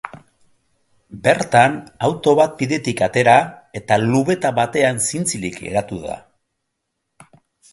Bertan, auto bat bidetik atera, eta lubeta batean zintzilik geratu da.